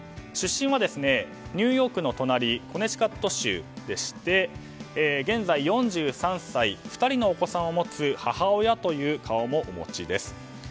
出身は、ニューヨークの隣コネティカット州でして現在４３歳２人のお子さんを持つ母親という顔もお持ちです。